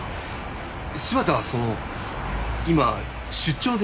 柴田はその今出張で。